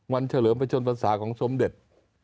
วันเฉลิมพระชนวันศาสน์ของสมเด็จ